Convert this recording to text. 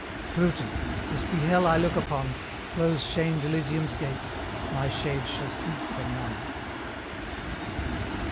Pluto! if this be hell I look upon, Close shamed Elysium's gates, my shade shall seek for none.